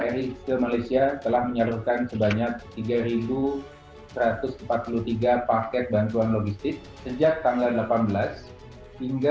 rist ke malaysia telah menyalurkan sebanyak tiga ribu satu ratus empat puluh tiga paket bantuan logistik sejak tanggal delapan belas hingga